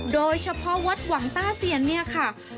โดยเฉพาะวัดหวังต้าเซียนเนี่ยค่ะ